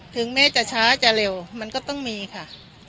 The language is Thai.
ถึงแม้จะช้าจะเร็วมันก็ต้องมีค่ะ